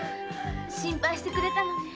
心配してくれたのね。